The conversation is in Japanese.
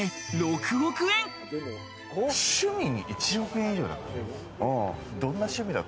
趣味に１億円以上だよ。